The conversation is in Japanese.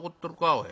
おい。